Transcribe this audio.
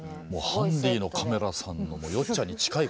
ハンディーのカメラさんのよっちゃんに近いこと！